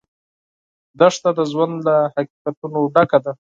دښته د ژوند له حقیقتونو ډکه ده.